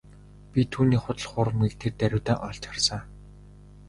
Би түүний худал хуурмагийг тэр даруйдаа олж харсан.